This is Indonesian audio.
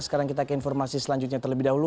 sekarang kita ke informasi selanjutnya terlebih dahulu